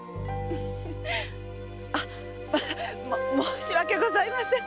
あ申し訳ございません。